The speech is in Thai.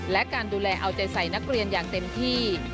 และการดูแลเอาใจใส่นักเรียนอย่างเต็มที่